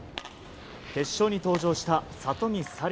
決勝に登場した里見紗李